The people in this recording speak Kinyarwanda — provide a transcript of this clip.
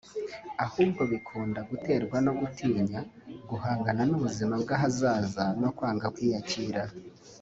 ahubwo bikunda guterwa no gutinya guhangana n’ubuzima bw’ahazaza no kwanga kwiyakira